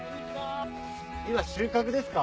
収穫ですか？